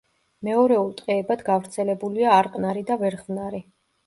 მეორეულ ტყეებად გავრცელებულია არყნარი და ვერხვნარი.